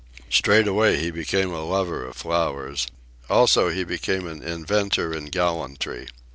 Straightway he became a lover of flowers. Also, he became an inventor in gallantry.